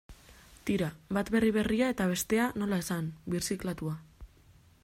Tira, bat berri berria eta bestea, nola esan, birziklatua.